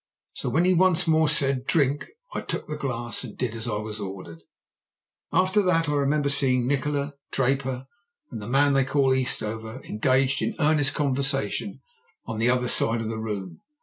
So when he once more said, 'Drink!' I took the glass and did as I was ordered. After that I remember seeing Nikola, Draper, and the man they called Eastover engaged in earnest conversation on the other side of the room.